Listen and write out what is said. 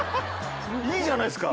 いいじゃないですか。